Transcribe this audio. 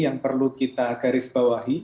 yang perlu kita garisbawahi